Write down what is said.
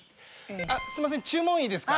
すいません注文いいですか？